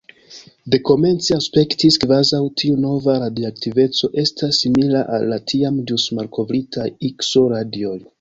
Dekomence, aspektis, kvazaŭ tiu nova radioaktiveco estas simila al la tiam ĵus malkovritaj Ikso-radioj.